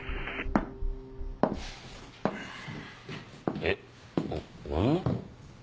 えっ？お女？